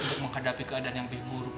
untuk menghadapi keadaan yang buruk